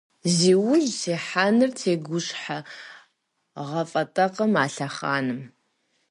Зи ужь сихьэнур тегушхуэгъуафӀэтэкъым а лъэхъэнэм.